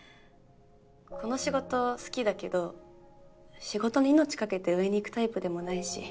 この仕事好きだけど仕事に命懸けて上に行くタイプでもないし。